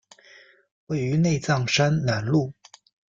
位于内藏山南麓。